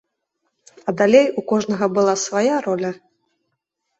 А далей у кожнага была свая роля.